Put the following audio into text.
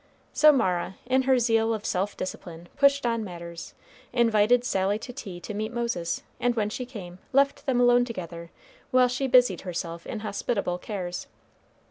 So Mara, in her zeal of self discipline, pushed on matters; invited Sally to tea to meet Moses; and when she came, left them alone together while she busied herself in hospitable cares.